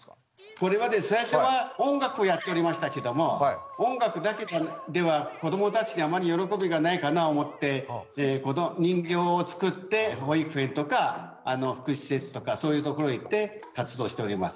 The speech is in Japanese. これはですね最初は音楽をやっておりましたけども音楽だけでは子どもたちにあまり喜びがないかな思ってこの人形を作って保育園とか福祉施設とかそういう所へ行って活動しております。